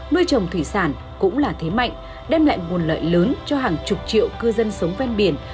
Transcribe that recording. nuôi trồng thủy sản cũng là thế mạnh đem lại nguồn lợi lớn cho hàng chục triệu cư dân sống ven biển